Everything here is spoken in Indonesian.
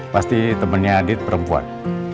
pasti temennya adit perempuan